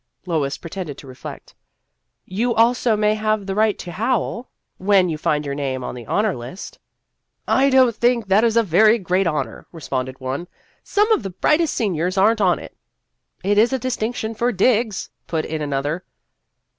Lois pretended to reflect. " You also may have the right to howl, when you find your name on the honor list." " I don't think that it is a very great honor," responded one ;" some of the brightest seniors are n't on it." " It is a distinction for digs," put in an other.